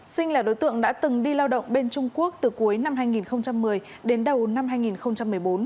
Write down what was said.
sinh là đối tượng đã từng đi lao động bên trung quốc từ cuối năm hai nghìn một mươi đến đầu năm hai nghìn một mươi bốn